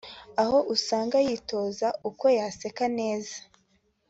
aho usanga yitoza uko yaseka neza